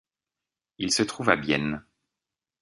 Il se trouve à Bienne.